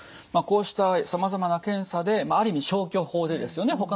こうしたさまざまな検査である意味消去法でですよね